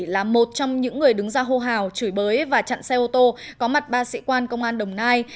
là một trong những người đứng ra hô hào chửi bới và chặn xe ô tô có mặt ba sĩ quan công an đồng nai